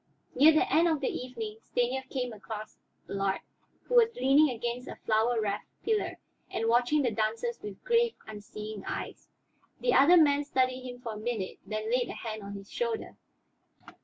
Near the end of the evening Stanief came across Allard, who was leaning against a flower wreathed pillar and watching the dancers with grave, unseeing eyes. The other man studied him for a minute, then laid a hand on his shoulder.